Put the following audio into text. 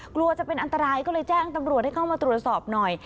กลัวจะเป็นอันตรายก็เลยแจ้งตำรวจให้เข้ามาตรวจสอบหน่อย